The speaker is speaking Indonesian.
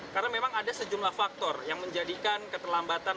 karena memang ada sejumlah faktor yang menjadikan keterlambatan